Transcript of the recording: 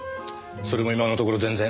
それも今のところ全然。